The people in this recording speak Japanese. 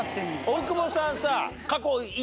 大久保さんさ。